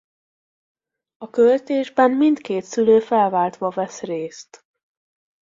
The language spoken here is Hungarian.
A költésben mindkét szülő felváltva vesz részt.